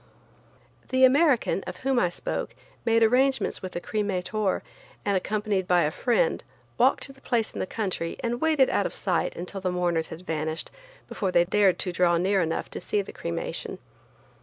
The American, of whom I spoke, made arrangements with a cremator, and, accompanied by a friend, walked to the place in the country and waited out of sight until the mourners had vanished before they dared to draw near enough to see the cremation.